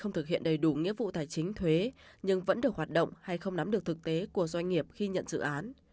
không thực hiện đầy đủ nghĩa vụ tài chính thuế nhưng vẫn được hoạt động hay không nắm được thực tế của doanh nghiệp khi nhận dự án